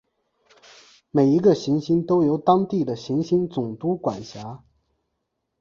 每一个行星都由当地的行星总督管辖。